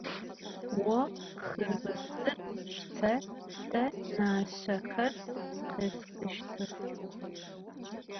Vo xhırbıdzır şşte, se naşşexer kheshıştıx.